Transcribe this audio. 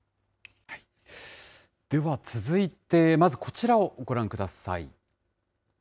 では続いて、まず、こちらをご覧ください。